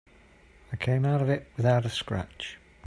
I came out of it without a scratch.